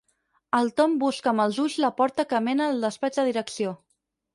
El Tom busca amb els ulls la porta que mena al despatx de direcció.